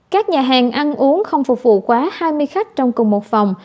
các nhà hàng ăn uống không phục vụ quá hai mươi khách trong cùng một phòng